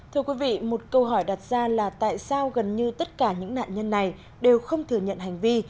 thưa quý vị một câu hỏi đặt ra là tại sao gần như tất cả những nạn nhân này đều không thừa nhận hành vi